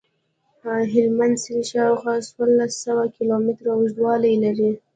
هلمند سیند شاوخوا څوارلس سوه کیلومتره اوږدوالی لري.